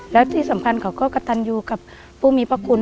แล้วที่สำคัญเขาก็กระตันอยู่กับผู้มีพระคุณ